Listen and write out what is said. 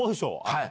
はい。